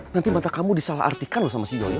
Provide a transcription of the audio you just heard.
nanti mata kamu disalah artikan loh sama si joy